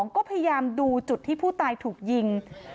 ก็พยายามดูจุดที่ผู้ตายถูกยิง